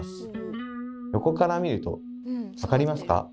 横から見ると分かりますか？